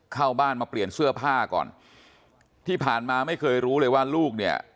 เข้าบ้านมาเปลี่ยนเสื้อผ้าก่อนที่ผ่านมาไม่เคยรู้เลยว่าลูกเนี่ย